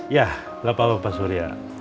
yah gak apa apa pak surya